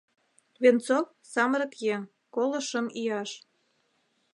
Венцов — самырык еҥ, коло шым ияш.